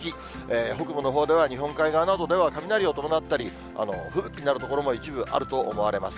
北部のほうでは、日本海側などでは雷を伴ったり、吹雪になる所も一部あると思われます。